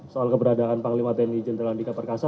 soal keberadaan panglima tni jenderal andika perkasa